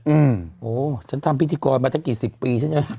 อืมโอ้ฉันทำพิธีกรมาตั้งกี่สิบปีใช่ไหม